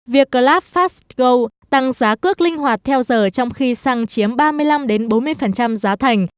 việc club fastgo tăng giá cước linh hoạt theo giờ trong khi xăng chiếm ba mươi năm bốn mươi giá thành